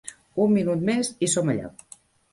Un minut més i som allà.